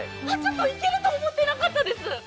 いけると思ってなかったです。